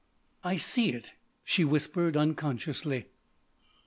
"I see it!" she whispered unconsciously.